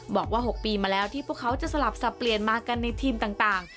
บอกว่า๖ปีมาแล้วที่พวกเขาจะสลับสับเปลี่ยนมากันในทีมต่าง